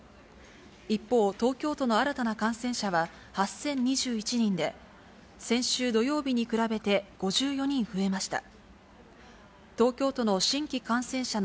一方、東京都の新たな感染者は８０２１人で、先週土曜日に比べて５４人増えました。